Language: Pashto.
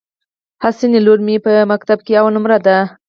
حسنی لور مي په ښوونځي کي اول نمبر ده.